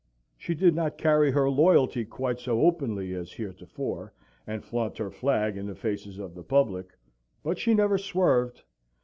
She did not carry her loyalty quite so openly as heretofore, and flaunt her flag in the faces of the public, but she never swerved.